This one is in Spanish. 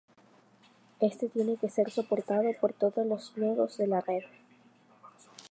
Este tiene que ser soportado por todos los nodos de la red.